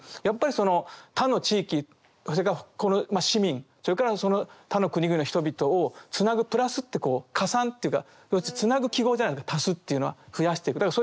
やっぱりその他の地域それからこの市民それからその他の国々の人々をつなぐ「プラス」ってこう加算というかつなぐ記号じゃないですか足すっていうのは増やしていく。